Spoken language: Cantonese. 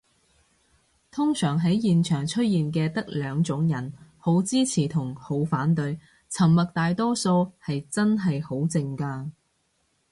通常喺現場出現嘅得兩種人，好支持同好反對，沉默大多數係真係好靜嘅